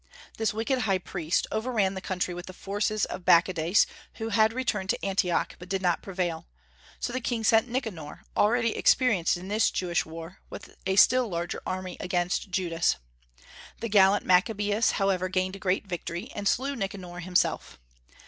This wicked high priest overran the country with the forces of Bacchides, who had returned to Antioch, but did not prevail; so the king sent Nicanor, already experienced in this Jewish war, with a still larger army against Judas. The gallant Maccabaeus, however, gained a great victory, and slew Nicanor himself.